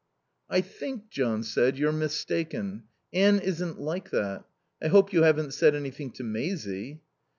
"I think," John said, "you're mistaken. Anne isn't like that.... I hope you haven't said anything to Maisie?"